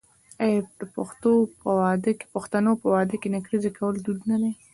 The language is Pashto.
آیا د پښتنو په واده کې نکریزې کول دود نه دی؟